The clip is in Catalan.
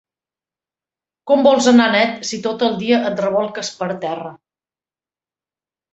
Com vols anar net si tot el dia et rebolques per terra?